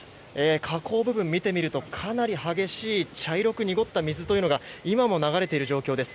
下流部分を見てみるとかなり激しい茶色く濁った水というのが今も流れている状況です。